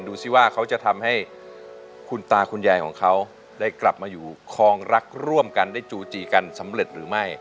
ดูสิว่าเขาจะทำให้คุณตาคุณยายของเขาได้กลับมาอยู่คลองรักร่วมกันได้จูจีกันสำเร็จหรือไม่